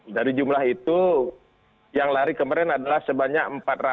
dari jumlah itu yang lari kemarin adalah sebanyak empat ratus empat puluh delapan